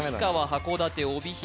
函館帯広